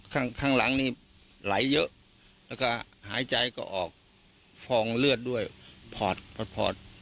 ข้างข้างหลังนี่ไหลเยอะแล้วก็หายใจก็ออกฟองเลือดด้วยพอดพอด